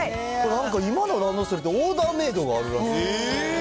なんか今のランドセルって、オーダーメードがあるらしいですね。